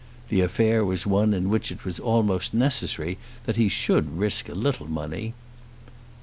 The affair was one in which it was almost necessary that he should risk a little money.